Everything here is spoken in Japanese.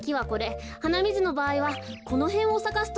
はなみずのばあいはこのへんをさかすといいのですが。